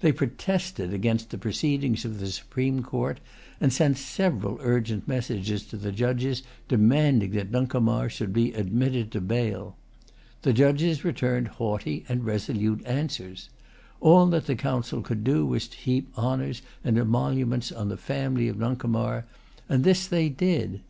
They protested against the proceedings of the Supreme Court, and sent several urgent messages to the Judges, demanding that Nuncomar should be admitted to bail. The Judges returned haughty and resolute answers. All that the Council could do was to heap honors and emoluments on the family of Nuncomar; and this they did.